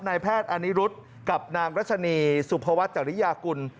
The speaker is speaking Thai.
นายแพทย์อานิรุธกับนางรัชนีสุภวัฒน์จริยากุล